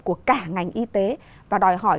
của cả ngành y tế và đòi hỏi